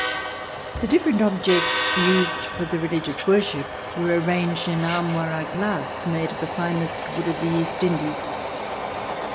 The different objects used for the religious worship were arranged in armoires a glaces made of the finest wood of the East Indies.